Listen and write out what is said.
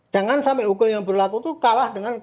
jangan sampai hukum yang berlaku itu kalah dengan